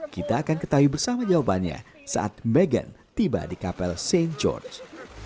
kita akan ketahui bersama jawabannya saat meghan tiba di kapel st george